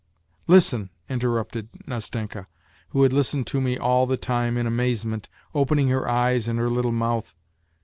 " Listen," interrupted Nastenka, who had listened to me all the time in amazement, opening her eyes and her little mouth.